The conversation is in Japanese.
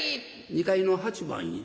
２階の８番に。